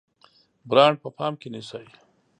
برانډ په پام کې نیسئ؟